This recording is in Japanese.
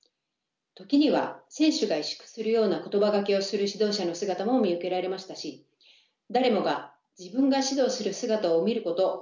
時には選手が委縮するような言葉がけをする指導者の姿も見受けられましたし誰もが自分が指導する姿を見ること